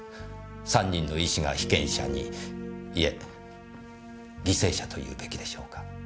３人の医師が被験者にいえ犠牲者というべきでしょうか。